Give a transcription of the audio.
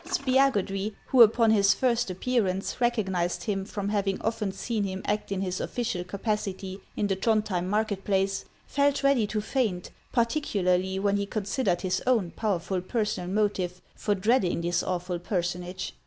Spiagudry, who upon his first appearance recognized him from having often seen him act in his official capacity in the Throndhjem market place, felt ready to faint, particularly when he considered HANS OF ICELAND. 149 his own powerful personal motive for dreading this awful personage.